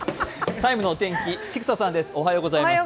「ＴＩＭＥ’」のお天気、千種さんです。